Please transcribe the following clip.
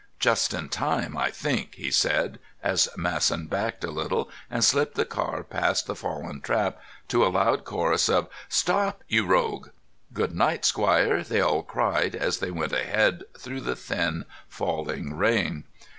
"Just in time, I think," he said, as Masson backed a little and slipped the car past the fallen trap to a loud chorus of "Stop, you rogue!" "Good night, squire!" they all cried, as they went ahead through the thin, falling rain.